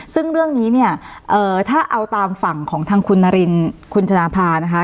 ซึ่งเรื่องนี้เนี่ยถ้าเอาตามฝั่งของทางคุณนารินคุณชนะภานะคะ